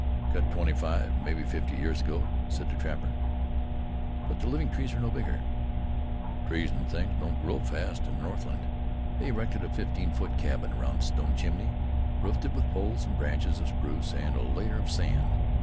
"Cut twenty five, mebbe fifty years ago," said the trapper. "But the living trees are no bigger." "Trees an' things don't grow fast in the north land." They erected a fifteen foot cabin round the stone chimney, roofed it with poles and branches of spruce and a layer of sand.